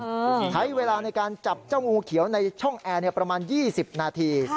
ใช้เวลาในการจับเจ้างูเขียวในช่องแอร์ประมาณ๒๐นาที